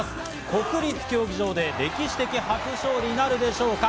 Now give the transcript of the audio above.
国立競技場で歴史的初勝利なるでしょうか。